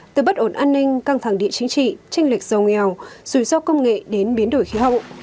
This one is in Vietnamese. từ bất ổn an ninh căng thẳng địa chính trị tranh lệch giàu nghèo rủi ro công nghệ đến biến đổi khí hậu